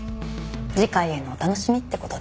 次回へのお楽しみって事で。